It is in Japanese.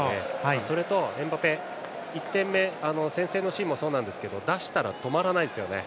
それとエムバペは１点目先制のシーンもそうなんですけど出したら、止まらないですよね。